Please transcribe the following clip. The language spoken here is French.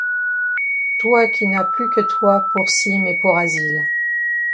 Toi qui n'as plus que toi pour cime et pour asile